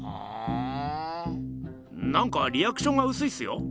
なんかリアクションがうすいっすよ？